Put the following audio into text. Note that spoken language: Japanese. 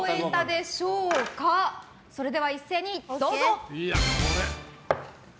それでは、一斉にどうぞ！